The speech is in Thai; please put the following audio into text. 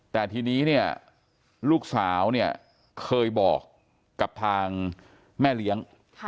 แต่ทีนี้เนี่ยลูกสาวเนี่ยเคยบอกกับทางแม่เลี้ยง